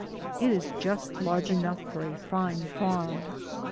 It is just large enough for a fine farm.